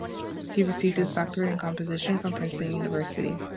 He received his doctorate in composition from Princeton University.